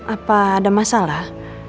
apa ada masalah